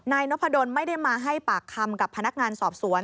นายนพดลไม่ได้มาให้ปากคำกับพนักงานสอบสวน